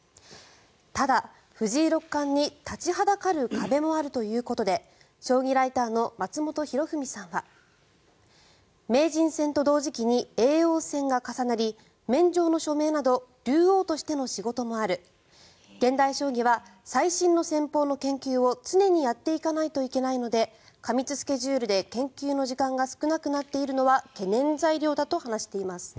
ただ、藤井六冠に立ちはだかる壁もあるということで将棋ライターの松本博文さんは名人戦と同時期に叡王戦が重なり免状の署名など竜王としての仕事もある現代将棋は最新の戦法の研究を常にやっていかないといけないので過密スケジュールで研究の時間が少なくなっているのは懸念材料だと話しています。